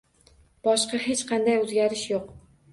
Boshqa hech qanday oʻzgarish yoʻq.